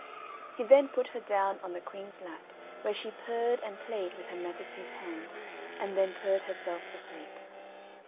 He then put her down on the queen's lap, where she purred and played with her majesty's hand, and then purred herself to sleep.